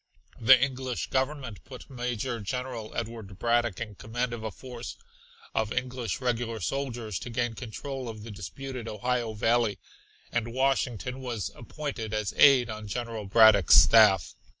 The English Government put Major General Edward Braddock in command of a force of English regular soldiers to gain control of the disputed Ohio Valley, and Washington was appointed as aide on General Braddock's staff.